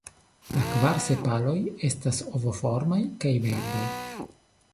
La kvar sepaloj estas ovformaj kaj verdaj.